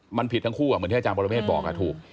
อ่ะมันผิดทั้งคู่ก็เหมือนที่ท่านอาจารย์บรมพิธบอกถูก